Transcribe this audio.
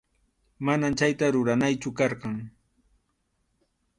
Manam chayta ruranaychu karqan.